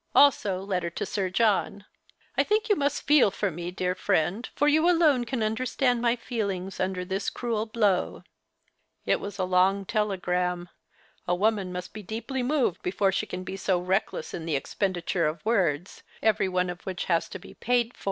Also letter to Sir John. I think yon mnst feel for me, dear friend, for yon alone can nnderstand my feelings imder this crnel l)low." It was a long telegram. A woman mnst be deeply moved before she can be so reckless in the expenditm e of words, every one of which has to be paid for.